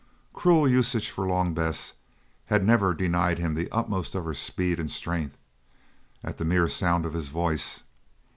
Cruel usage, for Long Bess had never denied him the utmost of her speed and strength at the mere sound of his voice.